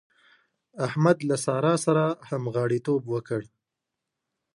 احمد له سارا سره همغاړيتوب وکړ.